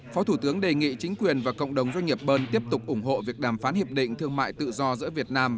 phó thủ tướng đề nghị chính quyền và cộng đồng doanh nghiệp bơn tiếp tục ủng hộ việc đàm phán hiệp định thương mại tự do giữa việt nam